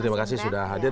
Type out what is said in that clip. terima kasih sudah hadir